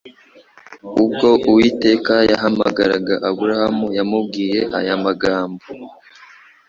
Ubwo Uwiteka yahamagaraga Aburahamu yamubwiye aya magambo